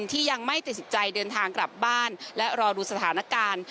ที่ยังไม่ติดสินใจเดินทางกลับบ้านและรอดูสถานการณ์